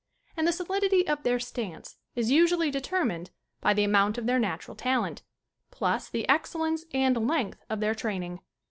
And the solidity of their stance is usually determined by the amount of their natural tal ent, plus the excellence and length of their training.